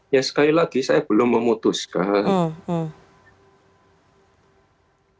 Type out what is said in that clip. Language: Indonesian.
ya sekali lagi saya belum memutuskan